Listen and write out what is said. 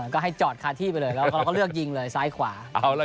ก็ให้จอดคาที่ไปเลยแล้วเราก็เลือกยิงเลยซ้ายขวา